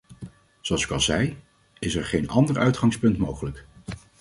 Zoals ik al zei, is er geen ander uitgangspunt mogelijk.